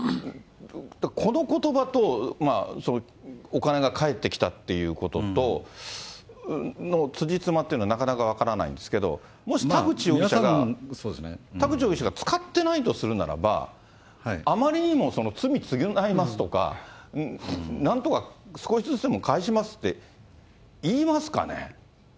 このことばと、お金が返ってきたっていうことの、辻褄っていうのは、なかなか分からないんですけど、もし田口容疑者が使ってないとするならば、あまりにも罪償いますとか、なんとか少しずつでも返しますって言いますかね。